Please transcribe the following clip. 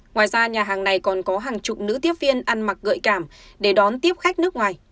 ngoài ra nhà hàng này còn có hàng chục nữ tiếp viên ăn mặc gợi cảm để đón tiếp khách nước ngoài